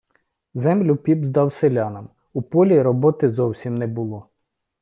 Землю піп здав селянам, - у полі роботи зовсім не було.